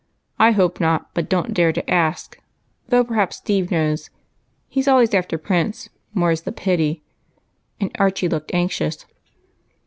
I hope not, but don't dare to ask; though, perhaps, Steve knows, he 's always after Prince, more's the pity," and Archie looked anxious.